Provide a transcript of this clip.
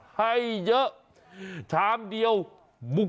ให้เยอะชามเดียวบุ๊ก